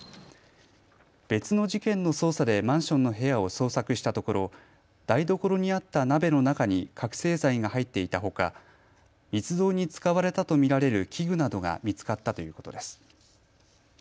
別の事件の捜査でマンションの部屋を捜索したところ台所にあった鍋の中に覚醒剤が入っていたほか密造に使われたと見られる器具などが見つかったということです。